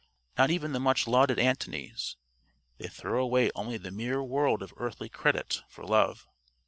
Not even the much lauded Antonys. They throw away only the mere world of earthly credit, for love.)